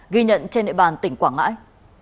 ghi nhận trên địa bàn tỉnh quảng ngãi